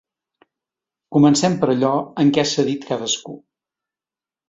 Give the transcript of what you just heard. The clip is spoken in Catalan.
Comencem per allò en què ha cedit cadascú.